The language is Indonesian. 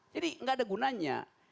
jadi gak ada gunanya